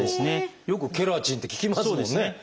よく「ケラチン」って聞きますもんね